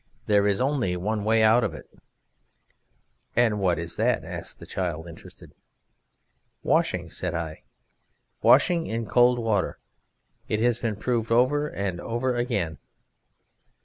There is only one way out of it." "And what is that?" said the child, interested. "Washing," said I, "washing in cold water. It has been proved over and over again."